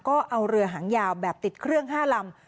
ก็เอาเรือหางยาวแบบติดเครื่อง๕ลำ